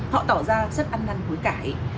họ tỏ ra rất ăn năn với cãi